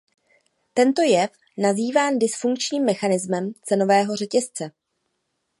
Tento jev nazývám dysfunkčním mechanismem cenového řetězce.